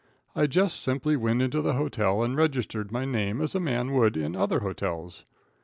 I just simply went into the hotel and registered my name as a man would in other hotels.